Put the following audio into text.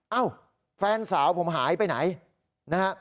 เอ้าแฟนสาวผมหายไปไหนนะฮะ